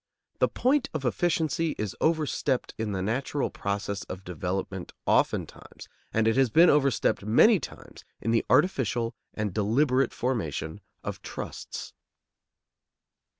The point of efficiency is overstepped in the natural process of development oftentimes, and it has been overstepped many times in the artificial and deliberate formation of trusts.